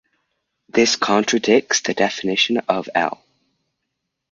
This contradicts the definition of "L".